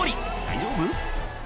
大丈夫？